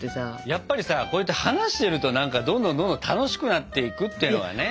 やっぱりさこうやって話してると何かどんどんどんどん楽しくなっていくっていうのがね。